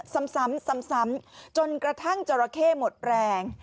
ซ้ำซ้ำจนกระทั่งจราเข้หมดแรง